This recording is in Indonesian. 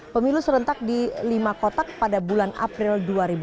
pemilu serentak di lima kotak pada bulan april dua ribu dua puluh